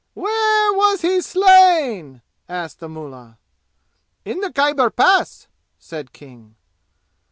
"Where was he slain?" asked the mullah. "In the Khyber Pass," said King.